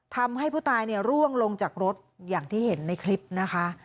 ทำให้ผู้ตายร่วงลงจากรถอย่างที่เห็นในคลิปนะคะ